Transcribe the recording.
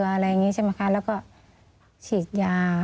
อะไรอย่างนี้ใช่ไหมคะแล้วก็ฉีดยา